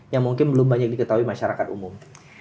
yang mungkin belum banyak diketahui masyarakat umum